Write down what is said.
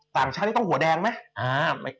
ต่างชาตินี่ต้องหัวแดงไหม